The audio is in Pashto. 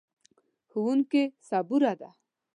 ښوونکې صبوره ده.